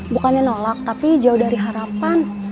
bukannya nolak tapi jauh dari harapan